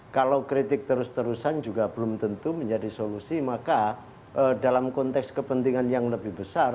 kalau kritik terus terusan juga belum tentu menjadi solusi maka dalam konteks kepentingan yang lebih besar